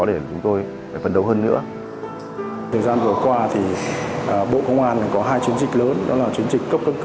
nếu chúng ta không làm được thì không ai làm được